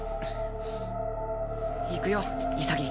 行くよ潔。